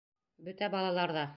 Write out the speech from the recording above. Бөтә балалар ҙа: